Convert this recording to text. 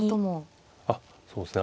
あっそうですね。